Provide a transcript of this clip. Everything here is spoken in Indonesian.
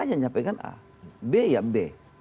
a nyampaikan a b ya b